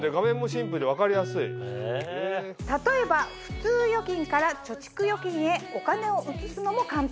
例えば普通預金から貯蓄預金へお金を移すのも簡単。